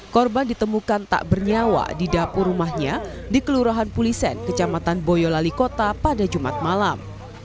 korban ditemukan tak bernyawa di dapur rumahnya di kelurahan pulisen kecamatan boyolali kota pada jumat malam